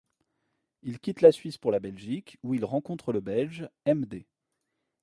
Ils quittent la Suisse pour la Belgique, où ils rencontrent le belge Hem Day.